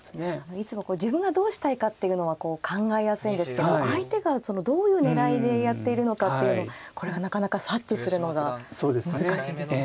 いつもこう自分がどうしたいかっていうのは考えやすいんですけど相手がそのどういう狙いでやっているのかっていうのこれがなかなか察知するのが難しいんですよね。